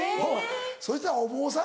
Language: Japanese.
そしたらお坊さん